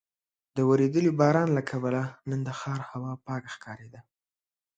د ورېدلي باران له کبله نن د ښار هوا پاکه ښکارېده.